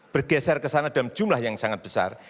bergeser ke sana dalam jumlah yang sangat besar